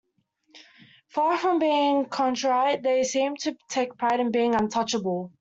Far from being contrite they seemed to take a pride in being untouchable.